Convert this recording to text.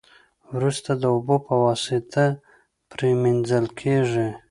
وروسته د اوبو په واسطه پری مینځل کیږي.